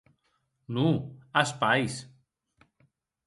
Non, as pairs.